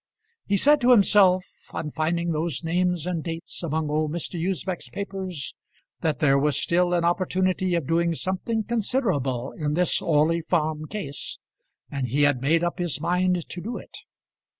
He said to himself, on finding those names and dates among old Mr. Usbech's papers, that there was still an opportunity of doing something considerable in this Orley Farm Case, and he had made up his mind to do it.